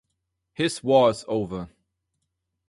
His war is over.